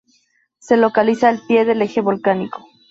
Se localiza al pie del Eje Volcánico.